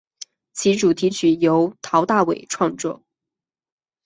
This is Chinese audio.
其主题曲则由陶大伟创作。